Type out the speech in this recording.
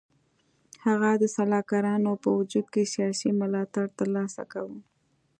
هغه د سلاکارانو په وجود کې سیاسي ملاتړ تر لاسه کاوه.